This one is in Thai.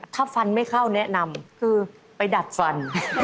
ถ้าฟันไม่เข้าแนะนำคือไปดัดฟัน